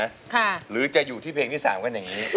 ค่ะหรือจะอยู่ที่เพลงที่สามก็จะเป็นอย่างนี้